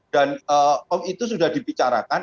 dan itu sudah dibicarakan